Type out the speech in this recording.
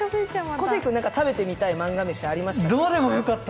小関君、何か食べてみたいマンガ飯ありました？